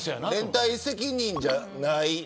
連帯責任じゃない。